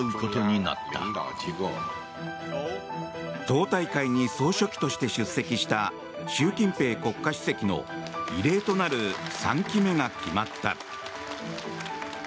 党大会に総書記として出席した習近平国家主席の異例となる３期目が決まった。